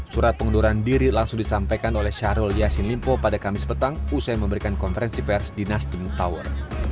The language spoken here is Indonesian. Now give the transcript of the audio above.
surat pengunduran diri langsung disampaikan oleh syahrul yassin limpo pada kamis petang usai memberikan konferensi pers di nasdem tower